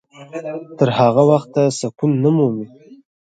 تر هغه وخته سکون نه مومي.